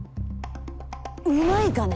うまいかね！